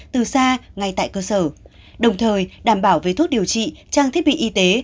từ xa ngay tại cơ sở đồng thời đảm bảo về thuốc điều trị trang thiết bị y tế